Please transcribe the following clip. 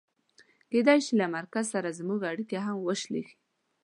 کېدای شي له مرکز سره زموږ اړیکې هم وشلېږي.